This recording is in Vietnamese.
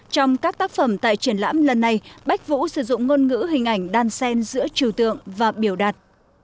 trong các tác phẩm tại triển lãm lần này bách vũ sử dụng ngôn ngữ hình ảnh đan sen giữa trừ tượng và biểu đạt